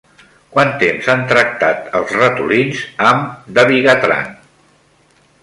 Quant temps han tractat els ratolins amb dabigatran?